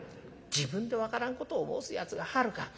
「自分で分からんことを申すやつがあるか。